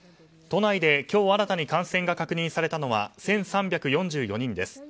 都内で今日新たに感染が確認されたのは１３４４人です。